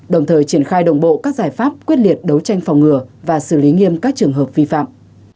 đồng thời triển khai đồng bộ các giải pháp quyết liệt đấu tranh phòng ngừa và xử lý nghiêm các trường hợp vi phạm